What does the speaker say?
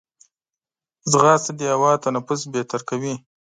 ځغاسته د هوا تنفس بهتر کوي